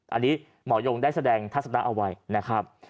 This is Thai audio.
อันนี้หมอยงได้แสดงทัศนะเอาไว้นะครับ